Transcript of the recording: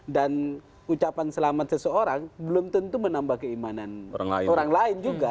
dan ucapan selamat seseorang belum tentu menambah keimanan orang lain juga